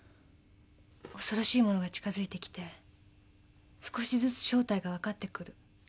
恐ろしいものが近づいてきて少しずつ正体が分かってくる。